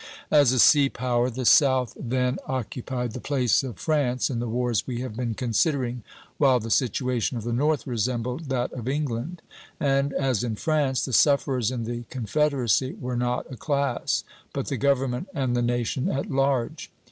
As a sea power the South then occupied the place of France in the wars we have been considering, while the situation of the North resembled that of England; and, as in France, the sufferers in the Confederacy were not a class, but the government and the nation at large.